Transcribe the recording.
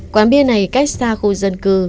quán bia này cách xa khu dân cư